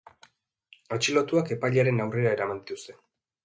Atxilotuak epailearen aurrera eraman dituzte.